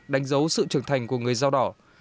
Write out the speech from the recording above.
đánh dấu sự trưởng thành của người dao đỏ